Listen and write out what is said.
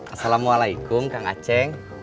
assalamualaikum kang aceh